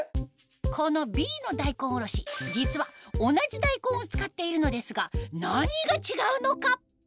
このＢの大根おろし実は同じ大根を使っているのですが何が違うのか？